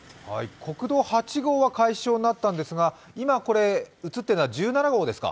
国道８号は解消になったんですが、今、映っているのは１７号ですか？